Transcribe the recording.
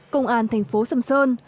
công an thành phố sâm sơn